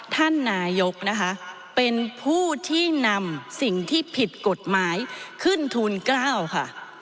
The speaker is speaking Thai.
ท่านนายกนะคะเป็นผู้ที่นำสิ่งที่ผิดกฎหมายขึ้นทูล๙ค่ะ